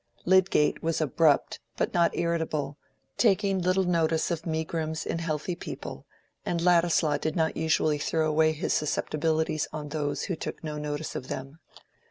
Lydgate was abrupt but not irritable, taking little notice of megrims in healthy people; and Ladislaw did not usually throw away his susceptibilities on those who took no notice of them.